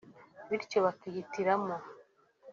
bityo bakihitiramo